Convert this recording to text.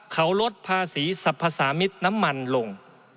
เขาลดภาษีสรรพสามิตรน้ำมันลง